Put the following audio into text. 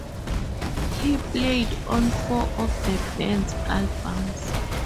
He played on four of the band's albums.